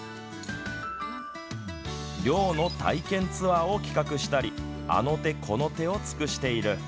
漁の体験ツアーを企画したりあの手この手を尽くしている。